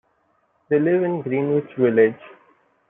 They live in Greenwich Village.